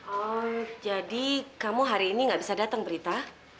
oh jadi kamu hari ini gak bisa datang berita